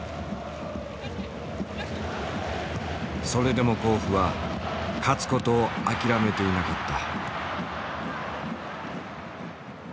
それでも甲府は勝つことを諦めていなかった。